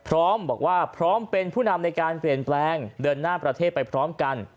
พร้อมบอกว่าพร้อมเป็นผู้นำในการเปลี่ยนแปลงเดินหน้าประเทศไปพร้อมกัน